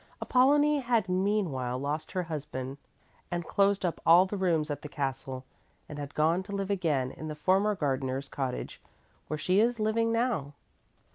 Apollonie had meanwhile lost her husband, had closed up all the rooms at the castle, and had gone to live again in the former gardener's cottage, where she is living now.